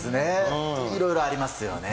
いろいろありますよね。